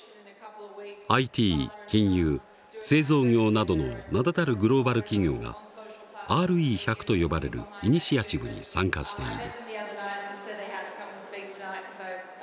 ＩＴ金融製造業などの名だたるグローバル企業がＲＥ１００と呼ばれるイニシアチブに参加している。